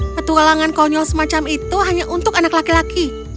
petualangan konyol semacam itu hanya untuk anak laki laki